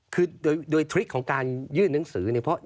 คือโดยทริคของการยื่นหนังสือเนี่ย